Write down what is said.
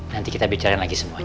nanti kita bicarain lagi semuanya